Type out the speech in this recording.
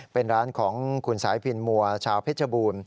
เป็นร้านของคุณสายพินมัวชาวเพชรบูรณ์